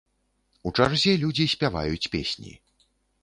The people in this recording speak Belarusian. У чарзе людзі спяваюць песні.